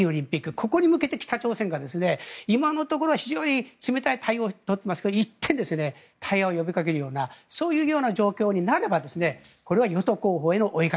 ここに向けて北朝鮮が今のところは非常に冷たい対応を取っていますが一転、対話を呼びかけるようなそういう状況になればこれは与党候補への追い風。